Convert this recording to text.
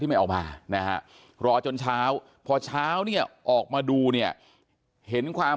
ไม่ออกมานะฮะรอจนเช้าพอเช้าเนี่ยออกมาดูเนี่ยเห็นความ